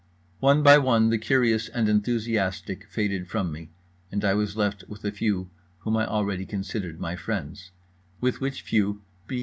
One by one the curious and enthusiastic faded from me, and I was left with the few whom I already considered my friends; with which few B.